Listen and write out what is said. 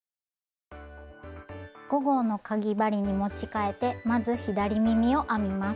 ５号のかぎ針に持ち替えてまず左耳を編みます。